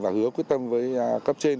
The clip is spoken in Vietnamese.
và hứa quyết tâm với cấp trên